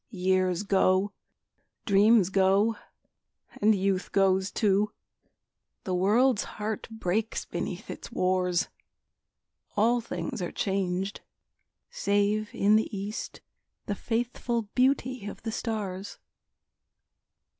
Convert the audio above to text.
Years go, dreams go, and youth goes too, The world's heart breaks beneath its wars, All things are changed, save in the east The faithful beauty of the stars.